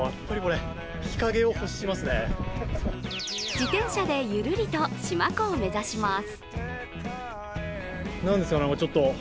自転車でゆるりと四万湖を目指します。